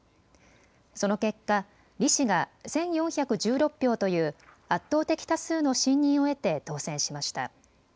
その結果、李氏が１４１６票という圧倒的多数の信任を得て当選しました。